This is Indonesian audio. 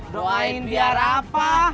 doain biar apa